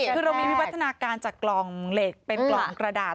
คือเรามีวิวัฒนาการจากกล่องเหล็กเป็นกล่องกระดาษ